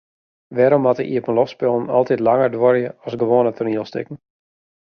Wêrom moatte iepenloftspullen altyd langer duorje as gewoane toanielstikken?